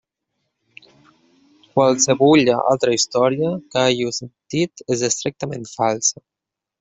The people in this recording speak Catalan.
Qualsevulla altra història que hàgiu sentit és estrictament falsa.